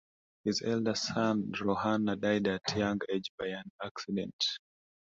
His elder son Rohana died at young age by an accident.